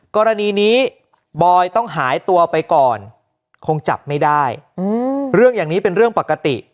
กรณีนี้บอยต้องหายตัวไปก่อนคงจับไม่ได้เรื่องอย่างนี้เป็นเรื่องปกติ